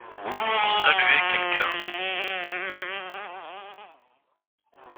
Pour saluer quelqu’un.